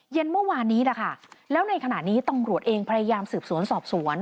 เย็นเมื่อวานนี้แหละค่ะแล้วในขณะนี้ตำรวจเองพยายามสืบสวนสอบสวน